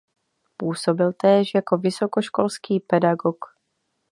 Působil též jako vysokoškolský pedagog.